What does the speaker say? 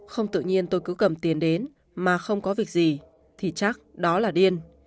không tự nhiên tôi cứ cầm tiền đến mà không có việc gì thì chắc đó là điên